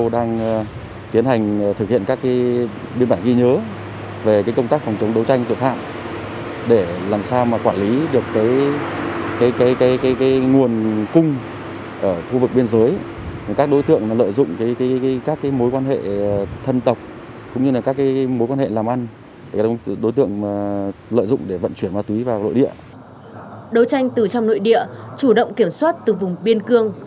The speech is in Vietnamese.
đấu tranh từ trong nội địa chủ động kiểm soát từ vùng biên cương